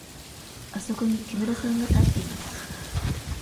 あそこに木村さんが立っています。